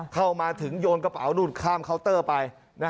เข้ามาถึงโยนกระเป๋านู่นข้ามเคาน์เตอร์ไป